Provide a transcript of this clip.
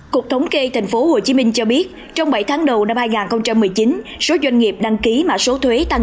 cục thống kê tp hcm cho biết trong bảy tháng đầu năm hai nghìn một mươi chín số doanh nghiệp đăng ký mà số thuế tăng